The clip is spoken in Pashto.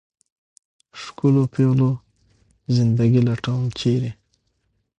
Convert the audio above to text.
ښکلو پېغلو زنده ګي لټوم ، چېرې ؟